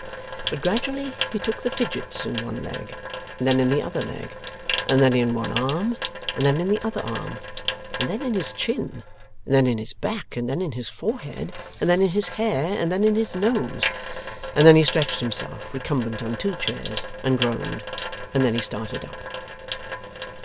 But gradually he took the fidgets in one leg, and then in the other leg, and then in one arm, and then in the other arm, and then in his chin, and then in his back, and then in his forehead, and then in his hair, and then in his nose; and then he stretched himself recumbent on two chairs, and groaned; and then he started up.